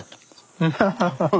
アハハハハ。